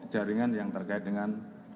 jaringan yang terkait dengan